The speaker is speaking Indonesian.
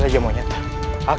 lakukan dengan baik